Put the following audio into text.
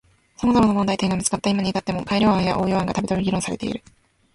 様々な問題点が見つかった今に至っても改良案や応用案がたびたび議論されている。